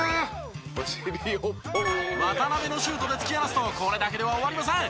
渡邊のシュートで突き放すとこれだけでは終わりません。